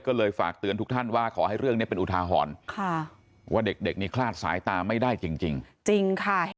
ก็เลยฝากเตือนทุกท่านว่าขอให้เรื่องนี้เป็นอุทาหรณ์ว่าเด็กนี้คลาดสายตาไม่ได้จริงจริงค่ะ